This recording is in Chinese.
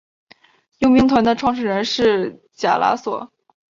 佣兵团的创始人是贾拉索。